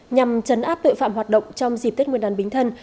nhằm chấn áp tội phạm hoạt động trong dịp tết nguyên đàn bình thân